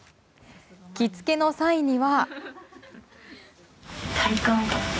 着付けの際には。